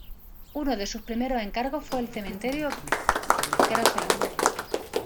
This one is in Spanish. Uno de sus primeros encargos fue el cementerio Graceland.